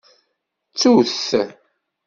Ttu-t.